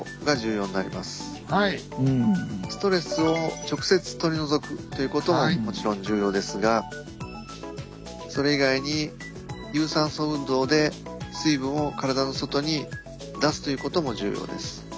ストレスを直接取り除くということももちろん重要ですがそれ以外に有酸素運動で水分を体の外に出すということも重要です。